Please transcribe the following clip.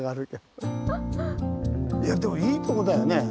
いやでもいいとこだよね。